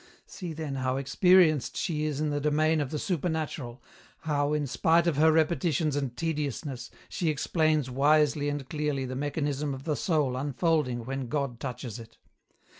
See then how experienced she is in the domain of the supernatural, how, in spite of her repetitions and tediousness, she explains wisely and clearly the mechanism of the soul unfolding when God touches it.